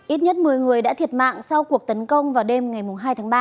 ít nhất một mươi người đã thiệt mạng sau cuộc tấn công vào đêm ngày hai tháng ba